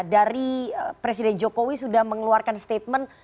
dari presiden jokowi sudah mengeluarkan statement